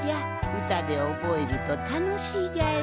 うたでおぼえるとたのしいじゃろ？